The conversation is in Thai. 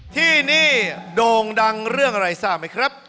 ที่นี่โด่งดังเรื่องอะไรทราบไหมครับ